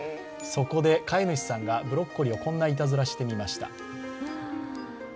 そこで飼い主さんがブロッコリーにこんないたずらをしてみました。